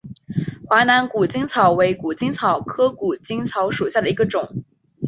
华南谷精草为谷精草科谷精草属下的一个种。